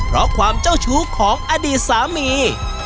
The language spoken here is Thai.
เพราะความเจ้าชู้ของอดีตสามี